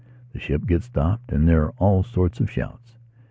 The ship gets stopped and there are all sorts of shouts.